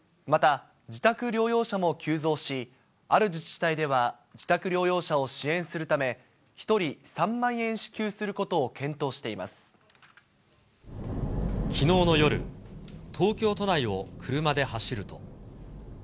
また、自宅療養者も急増し、ある自治体では自宅療養者を支援するため、１人３万円支給するこきのうの夜、東京都内を車で走ると。